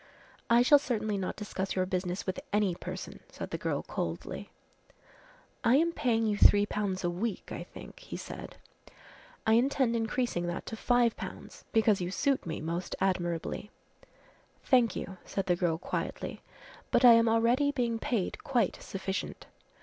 "I shall certainly not discuss your business with any person," said the girl coldly. "I am paying you 3 pounds a week, I think," he said. "I intend increasing that to 5 pounds because you suit me most admirably." "Thank you," said the girl quietly, "but I am already being paid quite sufficient."